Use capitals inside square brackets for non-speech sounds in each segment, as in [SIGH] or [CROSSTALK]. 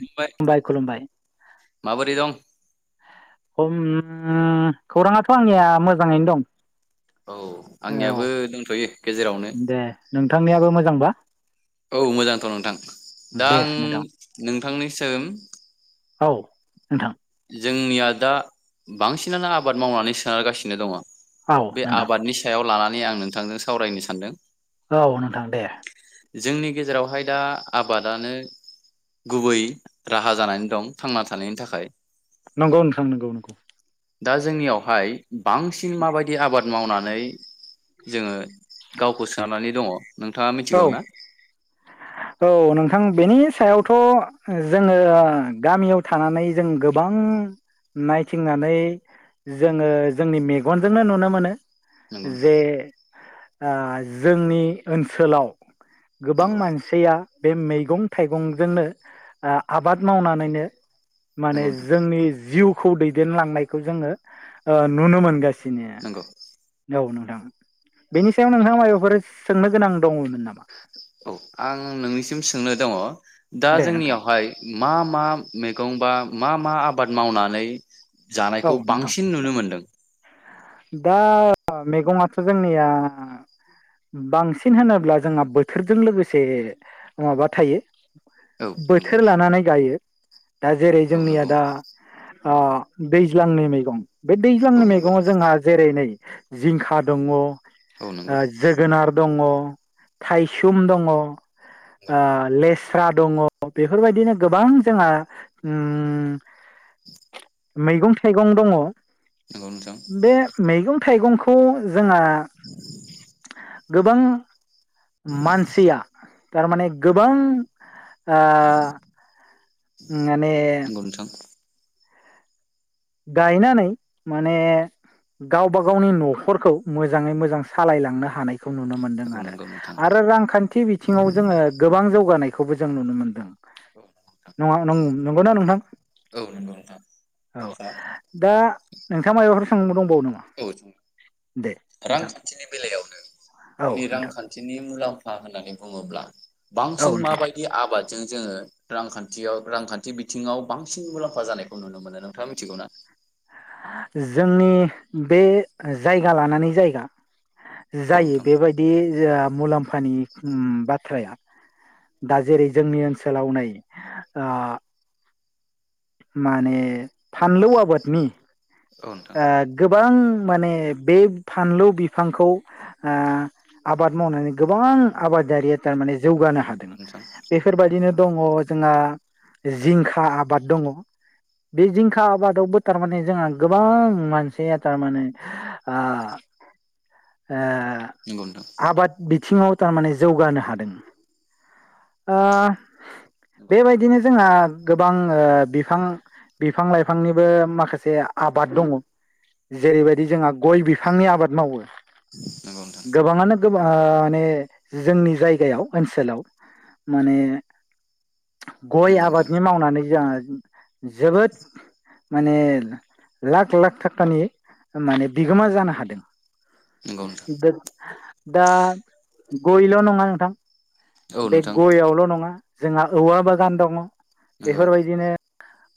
नोंलाय खुलुमबाय माबोरै दं? उम खौराङाथ' आंनिया मोजाङैनो दं। औ औ आंनियाबो दंथ'यो। गेजेरावनो दे नोंथांनियाबो मोजांबा औ मोजांथ' नोंथां। दा दे आं नोंथां नोंथांनोसिम औ नोंथां जोंनिया दा बांसिनानो आबाद मावनानै सोनारगासिनो दङ। औ बे नोंथां आबादनि सायाव लाना नै आं नोंथांजों सावरायनो सानदों। औ नोंथां दे। जोंनि गेजेरावहाय दा आबादानो गुबै राहा जानानै दं थांना थानायनि थाखाय। नंगौ नोंथां नोंगौ दा जोंनियावहाय बांसिन माबायदि आबाद आबाद मावनानै जोङो गावखौ सोनानै दङ नोंथाङा औ मिथिगौ ना? औ नोंथां बेनि सायाव थ' जोङो गामियाव थानानै जों गोबां नायथिंनानै जोङो जोंनि मेगनजोंनो नुनो मोनो। नंगौ नोंथां जे ओ जोंनि ओनसोलाव गोबां नंगौ मानसि बे मैगं-थाइगंजोंनो आबाद मावनानैनो माने नंगौ नोंथां जोंनि जिउ खौ दैदेनलांनायखौ जोङो नुनो मोनगा सिनो। नंगौ औ ओं बेनि सायाव नोंहा माय फोर सोंनो गोनां। दङमोन नामा? औ आं नोंनिसिम सोंनो दं। अ। दा दे नोंथां जोंनियावहाय। मा मा मैगं बा मा मा आबाद मावनानै? औ जानायखौ नोंथां बांसिन नुनो मोनदों? दा मैगङाथ' जोंनिया बांसिन होनोब्ला जोंहा बोथोरजों लोगोसे माबा थायो। औ बोथोर लानानै गायो। दा जेरै जोंनिया नंगौ दा। ओ-दैज्लांनि मैगं। बे औ दैज्लांनि नंगौ मैगङाव जोंना। नै जिंखा दं। औ नंगौ औ नंगौ जोगोनार दङ। थाइसुम दङ। आ लेस रा दङ बेफोरबायदिनो गोबां जोंहा ओम। [INAUDIBLE] मैगं थाइगं दङ। नंगौ नोंथां। बे मैगं थाइगंखौ ज जोङो। गोबां। मानसिया। थारमाने गोबां। आ- माने। नंगौ नोंथां गायनानै माने गावबा गावनि न'खरखौ मोजाङै मोजां सालायलांनो हानाय। खौ नुनो मोनदों औ आरो नंगौ नोंथां आरो रांखान्थि बिथिङाव जोङो गोबां जौगानाय। खौबो जों नुनो मोन्दों। नङा नों। नंगौना नोंथां? औ नोंगौ नोंथां औ दा नोंथाङा मायबाफोर सोंनो दं औ नोंथां रांखान्थिनि बेलायावनो औ दिनै नोंथां रांखान्थिनि मुलाम फा होननानै बुङोब्ला औ बांसिन नोंथां माबायदि आबाद जों जोङो रांखान्थियाव रांखान्थि बिथिङाव बांसिन मुलाम्फा जानायखौ नुनो मोनो नोंथाङा मिथिगौ ना? जोंनि बे जायगा लानानै जायगा औ जायो नोंथां बेबायदि [UNINTELLIGIBLE] मुलाम्फानि उम बाथ्राया दा जेरै जोंनि ओनसोलाव नै ओ माने फानलौ आबादनि औ नोंथां ओ गोबां माने बे फानलौ बिफांखौ ओ आबाद मावनानै गोबां आबादारिया थारमाने जौगानो हादों नंगौ नोंथां बेफोरबायदिनो दङ जोंहा जिंखा आबाद। दङ बे जिंखा आबादावबो थारमाने जोंहा गोबां मानसिया थारमाने ओ नंगौ नोंथां आबाद बिथिङाव थारमाने जौगानो हादों ओ नंगौ बेबायदिनो जोंहा गोबां ओ बिफां बिफां लाइफांनिबो माखासे आबाद दङ जेरैबायदि जोंहा गय बिफांनि आबाद मावो नोंथां गोबाङानो गो ओ माने जोंनि जायगायाव ओनसोलाव माने गय नंगौ नोंथां आबादनि मावनानै [UNINTELLIGIBLE] जोबोद माने लाख लाख थाखानि माने बिगोमा जानो हादों। नंगौ नोंथां दा गयल' नङा नोंथां औ बे नोंथां गययावल' नङा जोंहा औवा बागान दङ। नंगौ बेफोरबायदिनो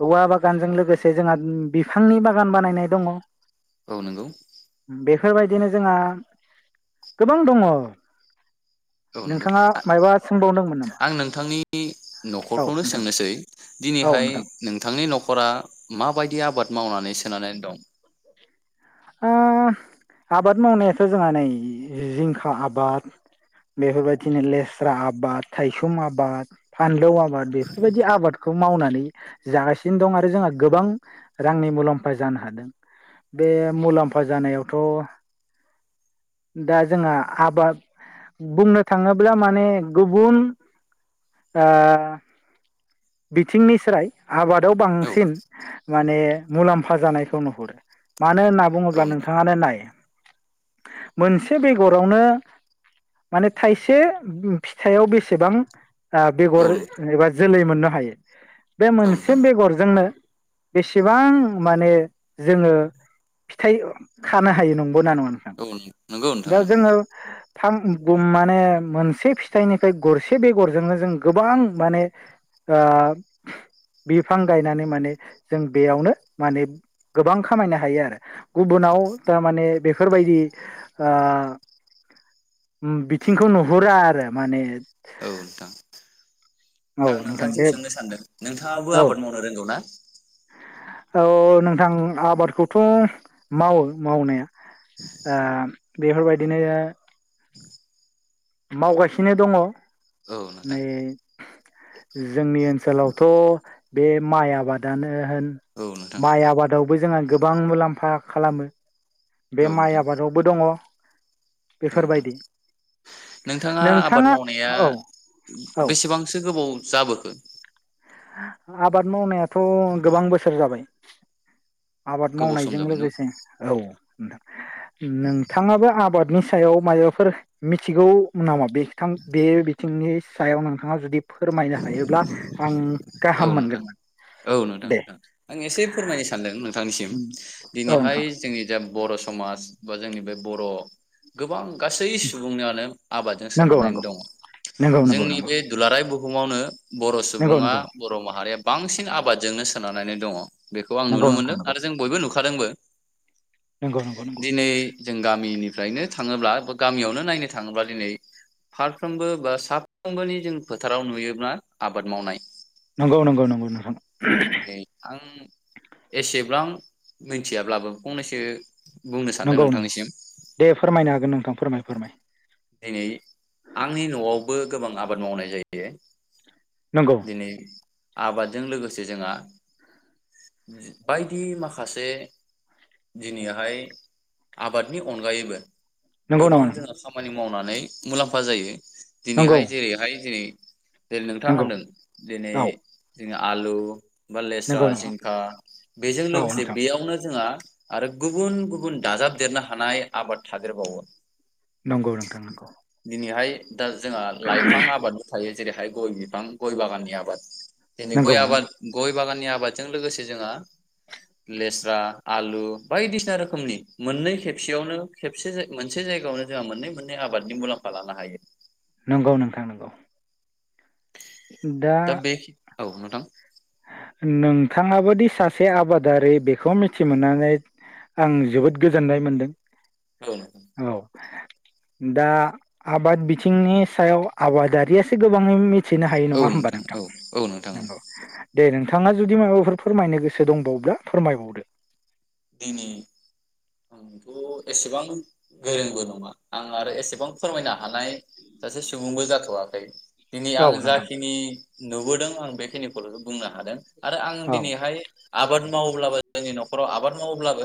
औवा बागानजों लोगोसे जोंहा बिफांनि बागान बानायनाय दङ औ नोंगौ बेफोरबायदिनो जोंहा गोबां दङ औ नोंगौ नोंथाङा आ मायबा सोंबावदोंमोन नामा आं नोंथांनि औ न'खरखौनो नोंथां सोंनोसै औ दिनैहाय नोंथां नोंथांनि न'खरा माबाय दि आबाद मावनानै सोनारनानै दं? ओ आबाद मावनायाथ' जोंहा नै जिंखा आबाद बेफोरबायदिनो लेस्रा आबाद थायसुम आबाद फानलौ आबाद बेफोरबायदि आबादखौ मावनानै जागासिनो दं आरो जोंहा गोबां रांनि मुलाम्फा जानो हादों बे मुलाम्फा जानायावथ' दा जोंहा आबाद बुंनो थाङोब्ला माने गुबुन ओ बिथिंनि स्राय आबादाव औ बांसिन माने मुलाम्फा जानायखौ नुहुरो मानो होनना औ बुङोब्ला नोंथां नोंथाङानो नाय मोनसे बेगरावनो माने थाइसे फिथायाव बेसेबां ओ औ बेगर एबा जोलै मोननो हायो बे औ मोनसे नोंथां बेगरजोंनो बेसेबां माने जोङो फिथाइ खानो हायो नंगौ ना नङा नोंथां? [UNINTELLIGIBLE] दा जोङो थाम माने मोनसे फिथाइनिफ्राय गरसे बेगरजोंनो जों गोबां माने ओ फि-बिफां गायनानै माने जों बेयावनो माने गोबां खामायनो हायो आरो गुबुनाव थारमाने बेफोरबायदि ओ उम बिथिंखौ नुहुरा आरो माने औ नोंथां औ आं नोंथां नोंथांनिसिम दे सोंनो सानदों नोंथाङाबो औ आबाद मावनो रोंगौ ना? औ नोंथां आबादखौथ' मावो मावनाया ओ बेफोरबायदिनो मावगासिनो दङ। औ नोंथां नै जोंनि ओनसोलावथ' बे माइ आबादानो होन औ नोंथां माइ आबादावबो जोंहा गोबां मुलाम्फा खालामो, बे औ माइ नोंथां आबादावबो दङ, औ नोंथां बेफोरबायदि। नोंथाङा आबाद मावनाया औ औ बेसेबांसो गोबाव जाबोखो? आबाद मावनायाथ' गोबां बोसोर जाबाय। आबाद गोबाव सम मावनायजों जाबाय न लोगोसे औ [UNINTELLIGIBLE] नोंथाङाबो आबाद नि सायाव माबाफोर मिथि गौ नामा बे बे बिथिंनि सायाव नोंथाङा जुदि फोरमायनो हायोब्ला आं औ गाहाम नोंथां, मोनगोनमोन औ नोंथां दे नोंथां आं एसे फोरमायनो सानदों नोंथांनिसिम औ दिनैहाय नोंथां जोंनि जा बर' समाज बा जोंनि बे बर' गोबां गासै सुबुङानो आबादजों नंगौ सोनानै नंगौ दङ नंगौ जोंनि नंगौ बे दुलाराय बुहुमावनो बर' नंगौ नंगौ सुबुङा बर' माहारिया बांसिन आबादजोंनो सोनारनानै दङ बेखौ आं नुनो नंगौ मोनदों नोंथां आरो जों बयबो नु खादोंबो नंगौ नंगौ दिनै जों गामिनि फ्रायनो थाङोब्ला बा गामियावनो नायनो थाङोब्ला दिनै फारफ्रोमबो बा साफ्रोमबोनि जों फोथाराव नुयोब्ला आबाद मावनाय नंगौ नंगौ नंगौ। नै आं एसेबां मिथियाब्लाबो फंनैसो बुंनो सानदों नंगौ नंगौ नोंथांनिसिम दे फोरमायनो हागोन नोंथां फोरमाय फोरमाय। दिनै आंनि न'आवबो गोबां आबाद मावनाय जायो। नंगौ दिनै आबादजों लोगोसे जोंहा बायदि माखासे दिनैहाय आबादनि अनगायैबो नंगौ गोबां नामा नोंथां जोंहा खामानि मावनानै मुलाम्फा जायो। नंगौ दिनैहाय जेरैहाय जेरै दे नोंथाङा नंगौ होनदों दिनै औ जों आलु बा लेस्रा नंगौ नामा जिंखा बेजों औ लोगोसे नोंथां बेयावनो जोंहा आरो गुबुन गुबुन दाजाबदेरनो हानाय आबाद थादेरबावो नोंगौ नोंथां नोंगौ दिनैहाय दा जोंहा लाइफां आबादबो थायो जेरैहाय गय बिफां गय बागाननि आबाद [UNINTELLIGIBLE] नंगौ गय नंगौ आबाद गय बागाननि आबादजों लोगोसे जोंहा लेस्रा आलु बायदिसिना रोखोमनि मोननै खेबसेयावनो खेबसे मोनसे जायगायावनो जोंहा मोननै मोननै आबादनि मुलाम्फा लानो हायो नोंगौ नोंथां नोंगौ दा औ नोंथां नोंथाङाबोदि सासे आबादारि बेखौ मिथि मोननानै आं जोबोद गोजोननाय मोनदों। औ औ दा आबाद बिथिंनि सायाव आबादारियासो गोबाङै मि थिनो हायो औ नङा होमबा नोंथां औ औ नोंथां औ नोंगौ नोंथाङा जुदि माबाफोर फोरमायनो गोसो दंबावब्ला फोरमायबावदो दिनै आंथ एसेबां गोरोंबो नङा आं आरो एसेबां फोरमायनो हानाय सासे सुबुंबो जाथवाखै दिनै औ आं नोंथां जाखिनि नुबोदों आं बेखिनिखौल बुंनो हादों आरो आं औ दिनैहाय आबाद मावोब्लाबो जोंनि नखराव आबाद मावोब्लाबो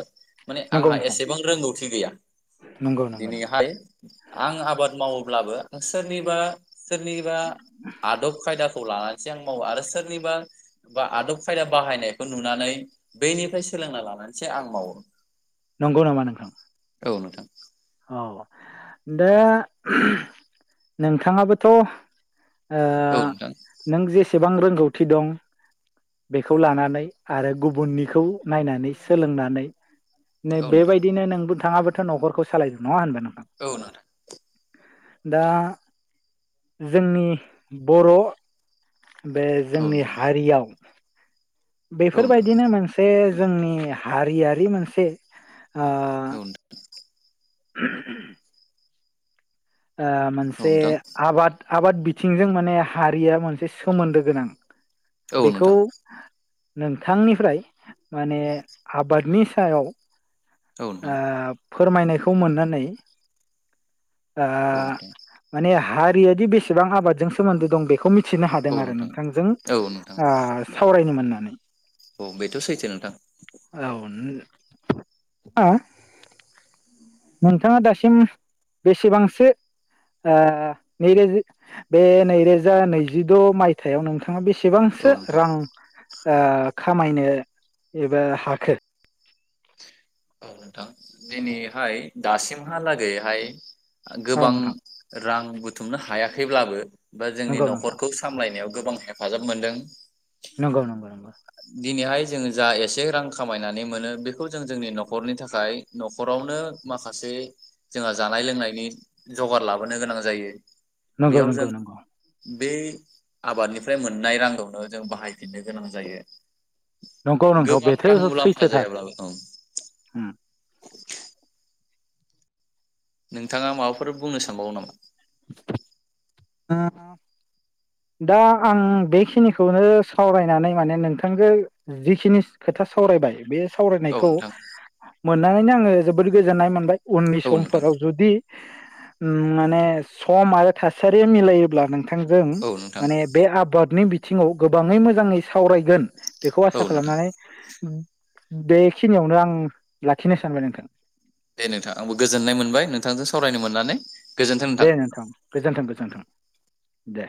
माने नंगौ आंहा नोंथां एसेबां रोंगौ थि गैया नंगौ नंगौ नंगौ दिनैहाय आं आबाद मावो अब्लाबो सोरनिबा सोरनिबा आदब खायदा खौ लानानैसो आं मावो आरो सोरनिबा बा आदब खायदा बाहायनायखौ नुनानै बैनिफ्राय सोलोंना लानानै एसे आं मावो नोंगौ नामा नोंथां? औ नोंथां अ दा ओम नोंथाङाबोथ ओ औ नोंथां नों जे बेसेबां रोंगौथि दं बेखौ औ लानानै आरो गुबुननिखौ नायनानै सोलोंनानै नै औ नोंथां बेबायदिनो नोंबो थाङाबोथ' न'खरखौ सालायगोन नङा होनबा नोंथां औ नोंथां दा जोंनि बर' बे औ जोंनि नोंथां हारियाव औ नोंथां बेफोरबायदिनो मोनसे जोंनि हारियारि मोनसे ओ औ नोंथां [INAUDIBLE] ओ मोनसे नोंथां आबाद आबाद बिथिंजों माने हारिया मोनसे सोमोन्दो गोनां औ बेखौ नोंथां नोंथांनिफ्राय माने आबादनि सायाव ओ औ नोंथां फोरमायनायखौ मोननानै ओ औ माने हारि दैयादि बेसेबां आबादजों सोमोन्दो दं बेखौ मिथि थिनो हादों आरो नोंथां औ नोंथां नोंथांजों औ नोंथां सावरायनो मोनना [UNINTELLIGIBLE] औ बेथ' सैथो नोंथां औ [UNINTELLIGIBLE] नोंथाङा दासिम बेसेबांसो ओ नैरो बे नैरोजा नैजिद' मायथाइयाव नोंथाङा आ बेसेबांसो औ नोंथां रां ओ खामायनो एबा हाखो औ नोंथां दिनैहाय दासिमहालागैहाय औ गोबां नोंथां रां बुथुमनो हायाखैब्लाबो बा जोंनि नंगौ नोंथां न'खरखौ सामलायनायाव गोबां हेफाजाब मोनदों नंगौ नंगौ नंगौ दिनैहाय जोंङो जा एसे रां खामायनानै मोनो बेखौ जों जोंनि न'खरनि थाखाय न'खरावनो माखासे माखासे जोंहा जानाय लोंनायनि जगार लाबोनो गोनां जायो नंगौ बेयाव नंगौ जों नंगौ बे आबादनिफ्राय मोननाय रांखौनो जों बाहायफिननो गोनां जायो नंगौ नोंथौ गोबां बेथो रां मुलाम्फा सैथोथार जायाब्लाबो ओं उम। नोंथाङा माबाफोर बुंनो सानबावो नामा। [INAUDIBLE] दा आं बेखिनिखौनो सावरायनानै माने नोंथांजों जिखिनि खोथा सावरायबाय बे। औ सावरायनायखौ। नोंथां मोननानैनो आङो जोबोद गोजोननाय मोनबाय। उननि औ नोंथां समफोराव जुदि माने सम थास सारि मिलायोब्ला नों बिथांजों औ नोंथां माने बे आबादनि बिथिङाव गोबाङै मोजाङै सावरायगोन बेखौ औ आसा नोंथां खालामनानै बेखिनियावनो आं लाखिनो सानबाय नोंथां। दे नोंथां आंबो गोजोननाय मोनबाय नोंथांजों सावरायनो मोननानै। दे नोंथां गोजोन्थों गोजोन्थों। दे।